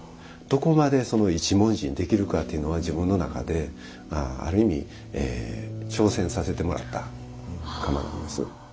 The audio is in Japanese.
どこまで一文字にできるかっていうのは自分の中である意味挑戦させてもらった釜なんです。